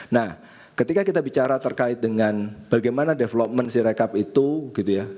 nah ketika kita bicara terkait dengan bagaimana development sirekap itu gitu ya